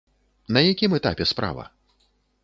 На якім этапе справа?